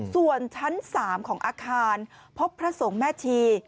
ส่วนชั้น๓ของอาคารพบพระสงฆ์แม่ชี